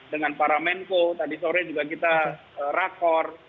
dengan para menko tadi sore juga kita rakor